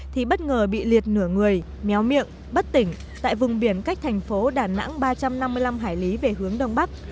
thì bất ngờ bị liệt nửa người méo miệng bất tỉnh tại vùng biển cách thành phố đà nẵng ba trăm năm mươi năm hải lý về hướng đông bắc